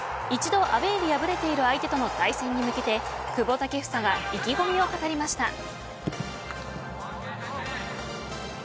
一度アウェーで敗れている相手との対戦に向けて久保建英が意気込みを語りました。